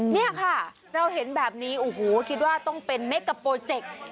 นี่ค่ะเราเห็นแบบนี้โอ้โหคิดว่าต้องเป็นเมกาโปรเจค